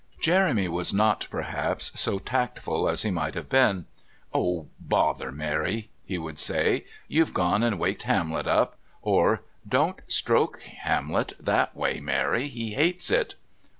Jeremy was not, perhaps, so tactful as he might have been. "Oh bother, Mary!" he would say. "You've gone and waked Hamlet up!" or "Don't stroke Hamlet that way, Mary; he hates it!"